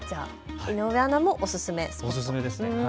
井上アナもおすすめ。